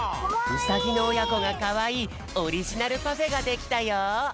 ウサギのおやこがかわいいオリジナルパフェができたよ！